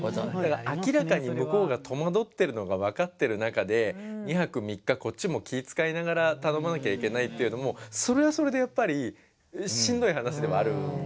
明らかに向こうが戸惑ってるのが分かってる中で２泊３日こっちも気ぃ遣いながら頼まなきゃいけないっていうのもそれはそれでやっぱりしんどい話ではあるんですよ。